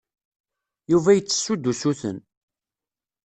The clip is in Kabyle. Yuba ittessu-d usuten.